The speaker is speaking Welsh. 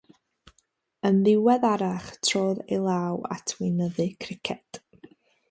Yn ddiweddarach trodd ei law at weinyddu criced.